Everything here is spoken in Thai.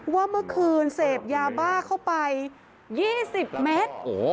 ว่าเมื่อคืนเสพยาบ้าเข้าไป๒๐เมตร